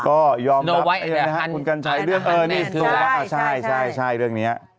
ก็ยอมรับเอ่อนี่โต๊ะละใช่เรื่องนี้